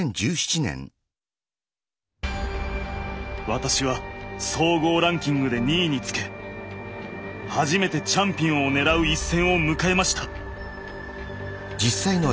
私は総合ランキングで２位につけ初めてチャンピオンを狙う一戦を迎えました。